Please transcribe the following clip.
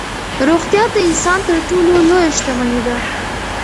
روغتیا د انسان تر ټولو لویه شتمني ده.